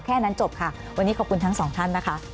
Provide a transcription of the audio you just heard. แค่นั้นจบค่ะวันนี้ขอบคุณทั้งสองท่านนะคะ